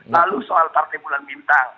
lalu soal partai bulan bintang